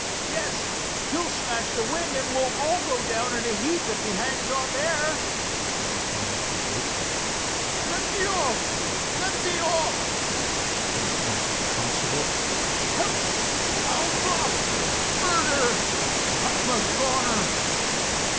"Yes, he'll smash the wing and we'll all go down in a heap if he hangs on there," declared Elmer, quickly. "Let me off! Let me off!" puffed and panted the constable. "Help! I'll drop! Murder! I'm a goner!"